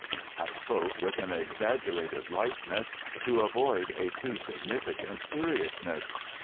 I spoke with an exaggerated lightness, to avoid a too significant seriousness.